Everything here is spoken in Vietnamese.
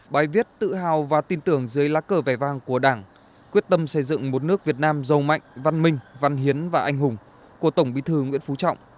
bài viết tự hào và tin tưởng dưới lá cờ vẻ vang của đảng quyết tâm xây dựng một nước việt nam giàu mạnh văn minh văn hiến và anh hùng của tổng bí thư nguyễn phú trọng